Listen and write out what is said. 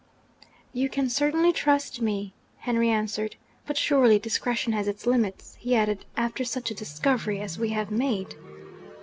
'You can certainly trust me,' Henry answered. 'But surely discretion has its limits,' he added, 'after such a discovery as we have made?'